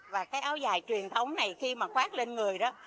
và cái áo dài truyền thống này khi mà khoát lên người đó